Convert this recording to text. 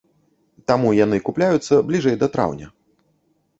Таму яны купляюцца бліжэй да траўня.